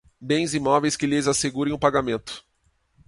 bens imóveis que lhes assegurem o pagamento